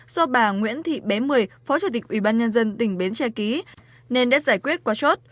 do bà nguyễn thị bé một mươi phó chủ tịch ubnd tỉnh bến tre ký nên đã giải quyết qua chốt